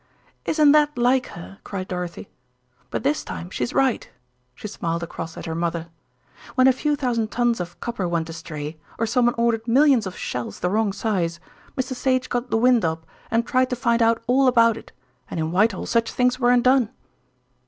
"Isn't that like her," cried Dorothy, "but this time she's right," she smiled across at her mother. "When a few thousand tons of copper went astray, or someone ordered millions of shells the wrong size, Mr. Sage got the wind up, and tried to find out all about it, and in Whitehall such things weren't done."